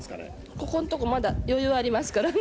ここのところまだ余裕がありますからね。